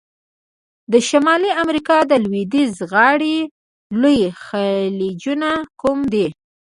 د شمالي امریکا د لویدیځه غاړي لوی خلیجونه کوم دي؟